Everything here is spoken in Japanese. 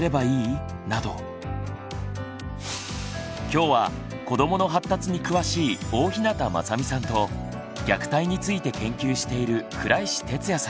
今日は子どもの発達に詳しい大日向雅美さんと虐待について研究している倉石哲也さん